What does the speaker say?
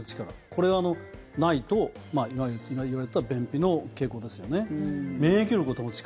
これがないといわゆる今、言われていた便秘の傾向ですよね。